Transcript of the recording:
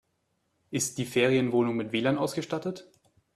Ist die Ferienwohnung mit WLAN ausgestattet?